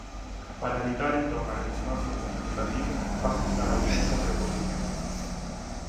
Para evitar entón a redundancia comunicativa, pasa a estar ausente a preposición.